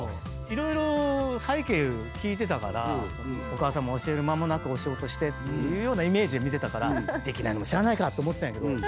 色々背景聞いてたからお母さんも教える間もなくお仕事してっていうイメージで見てたからできないのもしゃあないかと思ってたんやけど。